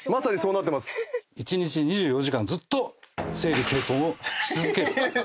一日２４時間ずっと整理整頓をし続ける。